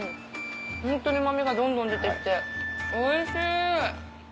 ホントにうま味がどんどん出て来ておいしい。